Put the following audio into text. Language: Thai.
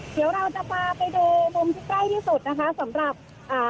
เดี๋ยวเราจะพาไปดูมุมที่ใกล้ที่สุดนะคะสำหรับอ่า